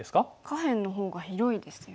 下辺の方が広いですよね。